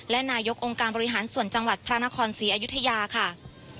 และนายกองค์การบริหารส่วนจังหวัดพระนครศรีอยุธยาค่ะ